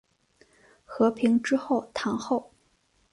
和平之后堂后。